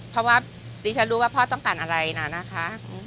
เพราะว่าดิฉันรู้ว่าพ่อต้องการอะไรนะนะคะ